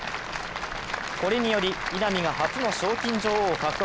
これにより稲見が初の賞金女王を獲得。